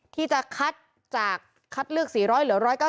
ที่จะคัดจากคัดเลือก๔๐๐เหลือ๑๙๐